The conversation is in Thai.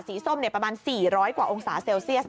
ส้มประมาณ๔๐๐กว่าองศาเซลเซียส